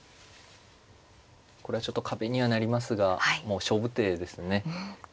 これはちょっと壁にはなりますがもう勝負手ですね。